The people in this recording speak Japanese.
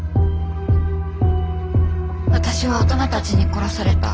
私は大人たちに殺された。